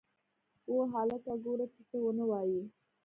وه هلکه گوره چې څه ونه وايې.